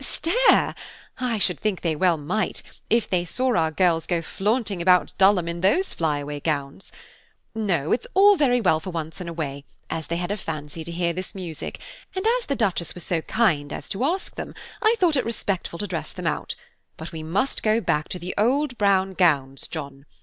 "Stare! I should think they well might, if they saw our girls go flaunting about Dulham in those fly away gowns. No, it's all very well for once in a way, as they had a fancy to hear this music; and as the Duchess was so kind as to ask them, I thought it respectful to dress them out; but we must go back to the old brown gowns, John.